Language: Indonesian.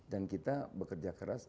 dan kita bekerja keras